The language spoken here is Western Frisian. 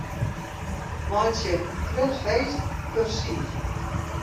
Meitsje 'grut feest' kursyf.